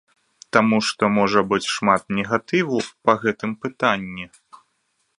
Таму што можа быць шмат негатыву па гэтым пытанні.